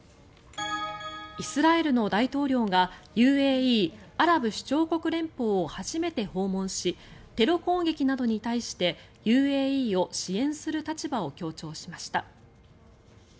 イスラエルの大統領がＵＡＥ・アラブ首長国連邦を初めて訪問しテロ攻撃などに対してＵＡＥを支援する立場を強調しました。